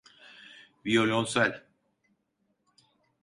Viyolonsel.